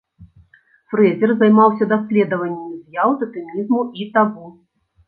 Фрэзер займаўся даследаваннямі з'яў татэмізму і табу.